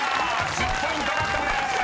１０ポイント獲得です］